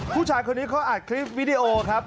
ผู้ชายคนนี้เขาอัดคลิปวิดีโอครับ